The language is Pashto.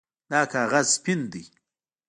دا کاغذ سپین ده